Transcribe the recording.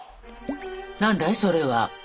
何だいそれは？